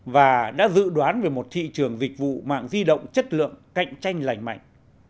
và đã dự đoán về một thị trường dịch vụ mạng di động chất lượng cạnh tranh lành mạnh